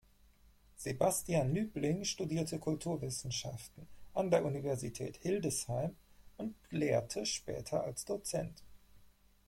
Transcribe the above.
Sebastian Nübling studierte Kulturwissenschaften an der Universität Hildesheim und lehrte später als Dozent.